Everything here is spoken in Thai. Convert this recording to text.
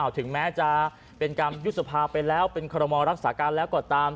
ถึงแม้จะเป็นการยุบสภาไปแล้วเป็นคอรมอรักษาการแล้วก็ตาม